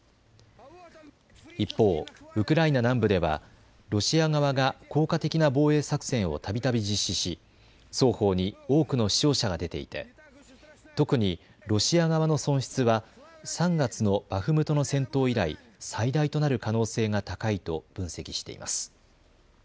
一方、ウクライナ南部ではロシア側が効果的な防衛作戦をたびたび実施し双方に多くの死傷者が出ていて特にロシア側の損失は３月のバフムトの戦闘以来、最大となる可能性が高いと分析しています。